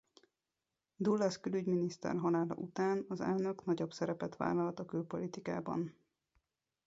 Dulles külügyminiszter halála után az elnök nagyobb szerepet vállalt a külpolitikában.